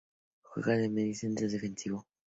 Juega de medio centro defensivo.